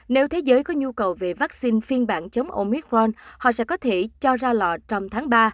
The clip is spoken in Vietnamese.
nếu thế giới có nhu cầu về vaccine phiên bản chống oidron họ sẽ có thể cho ra lò trong tháng ba